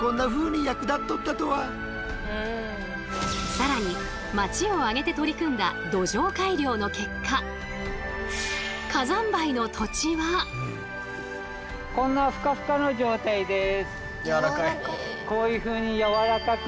更に町を挙げて取り組んだ土壌改良の結果こんなふかふかの状態です。